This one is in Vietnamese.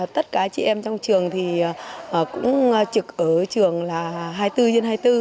tất cả chị em trong trường thì cũng trực ở trường là hai mươi bốn trên hai mươi bốn